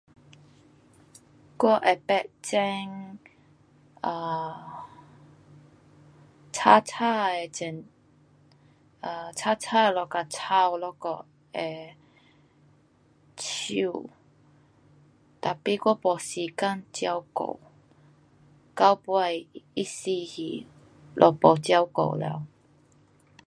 我有曾种 um 青青的种 um 青青咯跟草跟 um 树，tapi 我没时间照顾，到尾它死去，就没照顾了。